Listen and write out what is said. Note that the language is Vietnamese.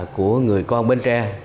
của người con bến tre